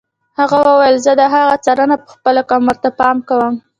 هغه وویل زه د هغو څارنه پخپله کوم او ورته پام کوم.